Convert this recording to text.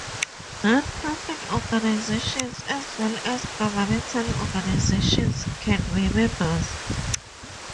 Non-profit organizations as well as governmental organizations can be members.